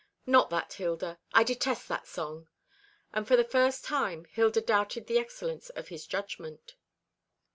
"Not that, Hilda. I detest that song;" and for the first time Hilda doubted the excellence of his judgment.